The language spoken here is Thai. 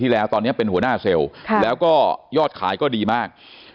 แล้วตอนนี้เป็นหัวหน้าเซลล์แล้วก็ยอดขายก็ดีมาก